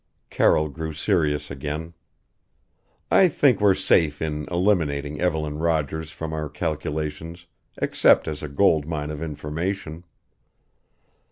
Carroll grew serious again. "I think we're safe in eliminating Evelyn Rogers from our calculations except as a gold mine of information.